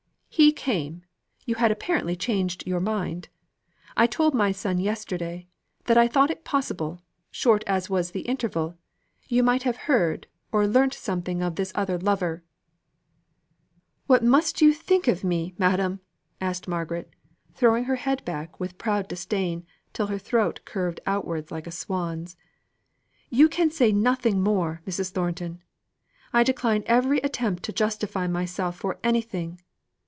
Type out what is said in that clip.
"He came; you had apparently changed your mind. I told my son yesterday, that I thought it possible, short as was the interval, you might have heard or learnt something of this other lover " "What must you think of me, madam?" asked Margaret, throwing her head back with proud disdain, till her throat curved outwards like a swan's. "You can say nothing more, Mrs. Thornton. I decline every attempt to justify myself for anything.